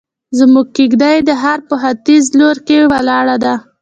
زموږ کيږدۍ د ښار په ختيز لور کې ولاړه ده.